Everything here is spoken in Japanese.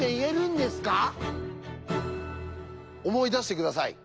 思い出して下さい。